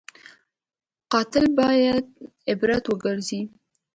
قاتل باید عبرت وګرځي